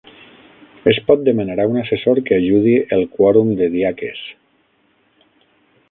Es pot demanar a un assessor que ajudi el quòrum de diaques.